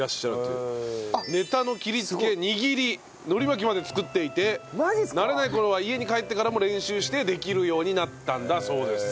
ネタの切りつけ握り海苔巻きまで作っていて慣れない頃は家に帰ってからも練習してできるようになったんだそうです。